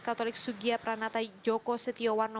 katolik sugiya pranata joko setiowarno